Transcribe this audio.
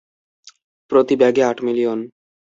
প্রতি ব্যাগে আট মিলিয়ন।